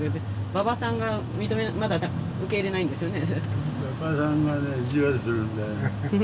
馬場さんがまだ受け入れないんですよね？